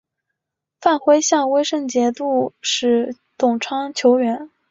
范晖向威胜节度使董昌求援。